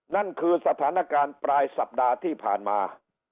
นั่นคือสถานการณ์ปลายสัปดาห์ที่ผ่านมา